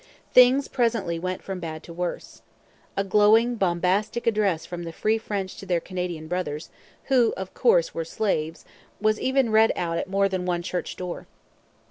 Things presently went from bad to worse. A glowing, bombastic address from 'The Free French to their Canadian Brothers' (who of course were 'slaves') was even read out at more than one church door.